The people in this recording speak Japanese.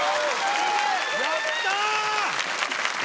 やった！